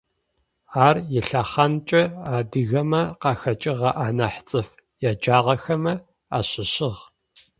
Ар илъэхъанкӏэ адыгэмэ къахэкӏыгъэ анахь цӏыф еджагъэхэмэ ащыщыгъ.